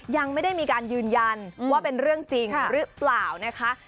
ยังไม่ได้มีการยืนยันว่าเป็นเรื่องจริงหรือเปล่านะคะ